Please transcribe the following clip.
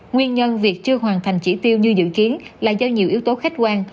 nguyên nhân việc chưa hoàn thành chỉ tiêu như dự kiến là do nhiều yếu tố khách quan